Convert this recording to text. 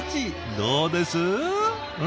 どうです？